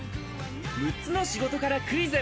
６つの仕事からクイズ。